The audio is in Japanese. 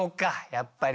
やっぱり。